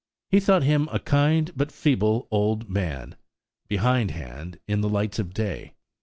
He thought him a kind but feeble old man, behindhand in the lights of day.